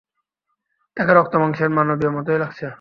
তাকে রক্তমাংসের মানবীর মতোই লাগছে।